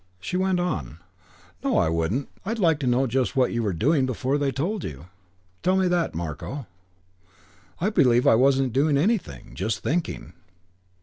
She went on, "No, I wouldn't. I'd like to know just what you were doing before they told you. Tell me that, Marko." "I believe I wasn't doing anything. Just thinking."